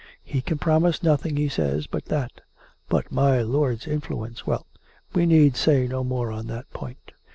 He can promise nothing, he says, but that; but my lord's influence — well, we need say no more on that point.